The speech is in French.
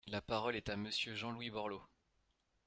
La parole est à Monsieur Jean-Louis Borloo.